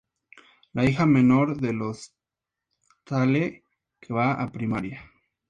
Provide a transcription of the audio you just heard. La hija menor de los Tale, que va a primaria.